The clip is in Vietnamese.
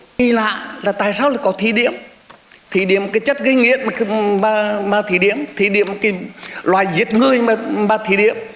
nhi lạ là tại sao có thí điểm thí điểm chất gây nghiện mà thí điểm thí điểm loại diệt người mà thí điểm